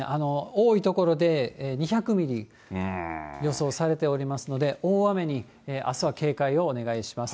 多い所で２００ミリ予想されておりますので、大雨にあすは警戒をお願いします。